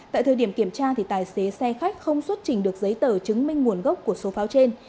tại thời điểm kiểm tra tài xế xe khách không xuất trình được giấy tờ chứng minh nguồn gốc của số pháo trên